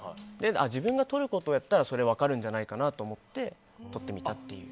自分が撮ることをやったらそれが分かるんじゃないかと思って撮ってみたっていう。